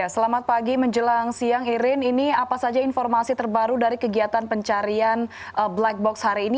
selamat pagi menjelang siang irin ini apa saja informasi terbaru dari kegiatan pencarian black box hari ini